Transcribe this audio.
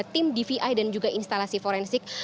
tim dvi dan juga instalasi forensik